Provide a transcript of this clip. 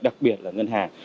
đặc biệt là ngân hàng